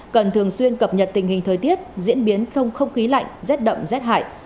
cần thường xuyên cập nhật tình hình thời tiết diễn biến không không khí lạnh rét đậm rét hại